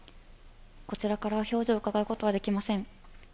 こちらから表情をうかがうことはできません。